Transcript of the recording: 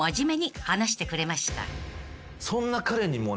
そんな彼にも。